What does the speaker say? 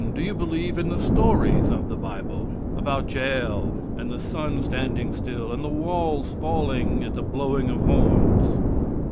Do you believe in the stories of the Bible, about Jael, and the sun standing still, and the walls falling at the blowing of horns?